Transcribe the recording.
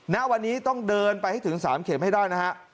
ณวันนี้ต้องเดินไปให้ถึง๓เข็มให้ได้นะฮะ